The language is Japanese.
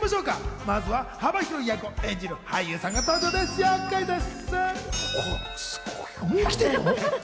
まずは幅広い役を演じる俳優さんが登場です、クイズッス。